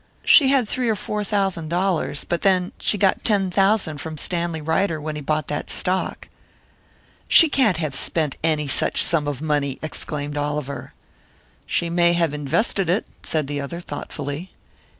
"She had three or four thousand dollars. But then, she got ten thousand from Stanley Ryder when he bought that stock." "She can't have spent any such sum of money!" exclaimed Oliver. "She may have invested it," said the other, thoughtfully.